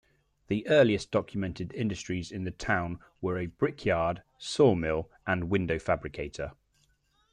The earliest documented industries in the town were a brickyard, sawmill, and window fabricator.